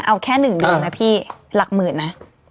เอาแค่๑เดือนนะพี่หลักหมื่นนะ